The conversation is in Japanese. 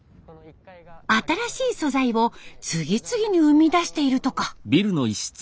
新しい素材を次々に生み出しているとか。